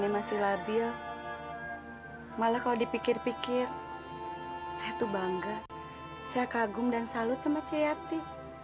malah kalau dipikir pikir saya tuh bangga saya kagum dan salut sama ciyati